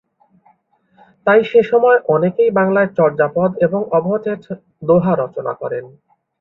তাই সে সময় অনেকেই বাংলায় চর্যাপদ এবং অবহট্ঠে দোহা রচনা করেন।